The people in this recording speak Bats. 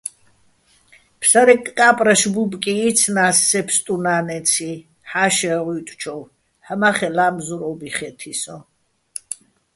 ფსარე კა́პრაშ ბუბკი იცნა́ს სე ბსტუნა́ნეცი ჰ̦ა́შეღ ვუ́ჲტჩოვ, ჰ̦ამა́ხეჸ ლა́მზურ ო́ბი ხე́თი სოჼ.